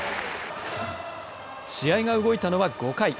試合が動いたのは５回。